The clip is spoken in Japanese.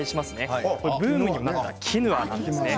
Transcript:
ブームにもなったキヌアです。